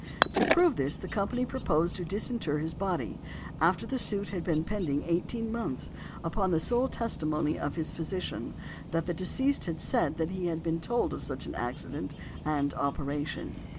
To prove this, the company proposed to disinter his body, after the suit had been pending eighteen months, upon the sole testimony of his physician, that the deceased had said that he had been told of such an accident and operation.